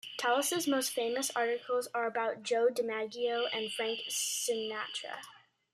Talese's most famous articles are about Joe DiMaggio and Frank Sinatra.